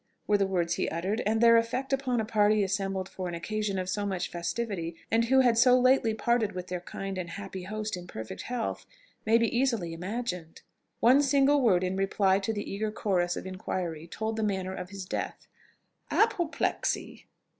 were the words he uttered; and their effect upon a party assembled for an occasion of so much festivity, and who had so lately parted with their kind and happy host in perfect health, may be easily imagined. One single word in reply to the eager chorus of inquiry told the manner of his death "Apoplexy!"